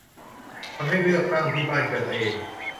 ทำให้เลือกตั้งที่บ้านเกิดตัวเอง